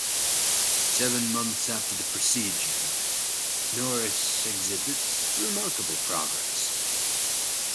Seven months after the procedure, Norris exhibits remarkable progress.